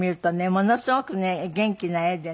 ものすごくね元気な絵でね。